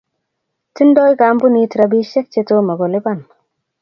Tindoi kampunit rapishiek che tomo kolipan